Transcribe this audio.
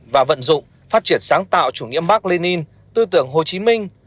và vận dụng phát triển sáng tạo chủ nghĩa mark lenin tư tưởng hồ chí minh